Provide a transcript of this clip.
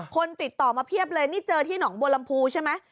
คนติดต่อมาเพียบเลยนี่เจอที่หนองบัวลำพูใช่ไหม